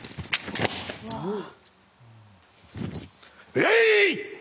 えい！